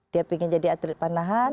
dia ingin jadi atlet panahan